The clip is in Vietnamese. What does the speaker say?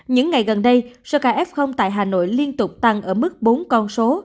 những ngày gần đây số ca f tại hà nội liên tục tăng ở mức bốn con số